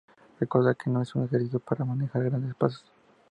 Recordar que no es un ejercicio para manejar grandes pesos.